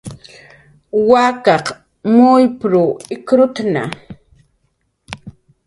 "Wakas muyp""r ikrutna"